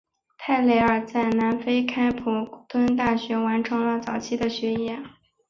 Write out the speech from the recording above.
泰累尔在南非开普敦大学完成了早期的学业。